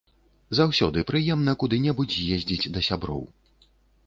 Заўсёды прыемна куды-небудзь з'ездзіць да сяброў.